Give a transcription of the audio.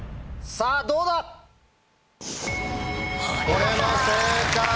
これも正解！